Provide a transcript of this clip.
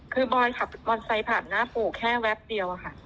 คือบอยขับมอนไซด์ผ่านหน้าปู่แค่แว๊บเดียวค่ะ